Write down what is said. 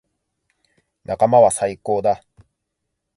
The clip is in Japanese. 仲間は最高だ。